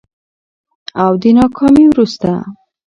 او د ناکامي وروسته